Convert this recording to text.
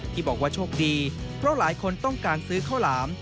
ที่บอกว่าโชคดีเพราะหลายคนต้องการซื้อข้าวหลาม